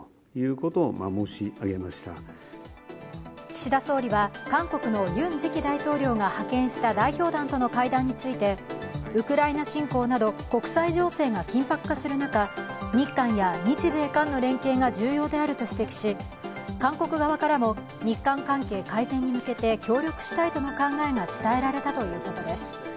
岸田総理は韓国のユン次期大統領が派遣した代表団との解団についてウクライナ侵攻など国際情勢が緊迫化する中、日韓や日米韓の連携が重要であると指摘し、韓国側からも日韓関係改善に向けて協力したいとの考えが伝えられたということです。